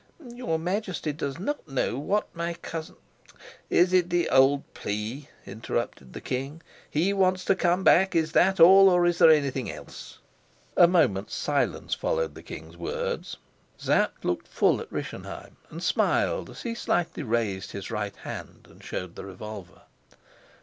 "Your Majesty does not know what my cousin " "It is the old plea?" interrupted the king. "He wants to come back? Is that all, or is there anything else?" A moment's silence followed the king's words. Sapt looked full at Rischenheim, and smiled as he slightly raised his right hand and showed the revolver.